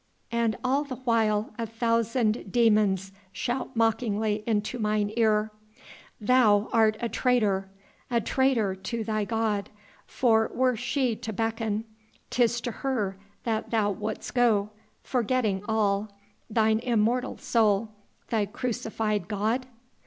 And all the while a thousand demons shout mockingly unto mine ear: 'Thou art a traitor a traitor to thy God for were she to beckon, 'tis to her that thou wouldst go, forgetting all thine immortal soul, thy crucified God...?'